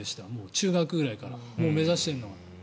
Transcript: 中学ぐらいから目指しているのは。